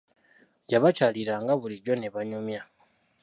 Yabakyaliranga bulijjo ne banyumya.